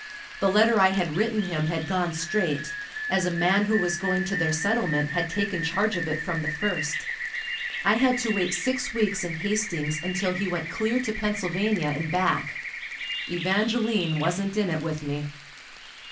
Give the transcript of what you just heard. The letter I had written him had gone straight, as a man who was going to their settlement had taken charge of it from the first. I had to wait six weeks in Hastings until he went clear to Pennsylvania and back. Evangeline wasn't in it with me.